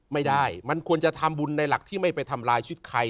ไม่ได้มันควรจะทำบุญในหลักที่ไม่ไปทำลายชุดใคร